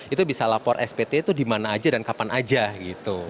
itu bisa lapor spt itu dimana aja dan kapan aja gitu